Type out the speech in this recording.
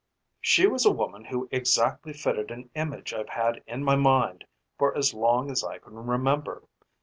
"She was a woman who exactly fitted an image I've had in mind for as long as I can remember.